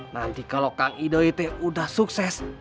nanti kalau kang idoi tuh udah sukses